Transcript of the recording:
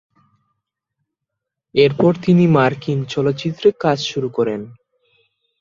এরপর তিনি মার্কিন চলচ্চিত্রে কাজ শুরু করেন।